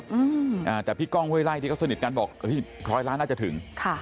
อืมอ่าแต่พี่ก้องห้วยไล่ที่เขาสนิทกันบอกเอ้ยร้อยล้านน่าจะถึงค่ะ